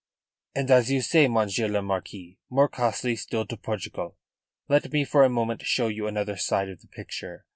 "And, as you, say, Monsieur le Marquis, more costly still to Portugal. Let me for a moment show you another side of the picture.